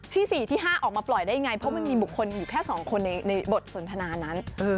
ที่๔ที่๕ออกมาปล่อยได้ยังไงเพราะมันมีบุคคลอยู่แค่๒คนในบทสนทนานั้น